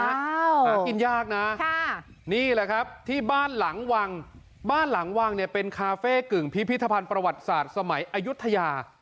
หากินยากนะนี่แหละครับที่บ้านหลังวังบ้านหลังวังเนี่ยเป็นคาเฟ่กึ่งพิพิธภัณฑ์ประวัติศาสตร์สมัยอายุทยา